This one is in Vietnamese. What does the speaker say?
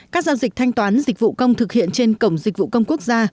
các giao dịch thanh toán dịch vụ công thực hiện trên cổng dịch vụ công quốc gia